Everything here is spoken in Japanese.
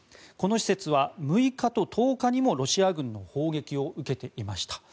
この施設は６日と１０日にもロシア軍の砲撃を受けていました。